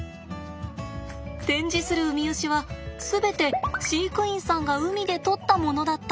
展示するウミウシは全て飼育員さんが海で採ったものだった！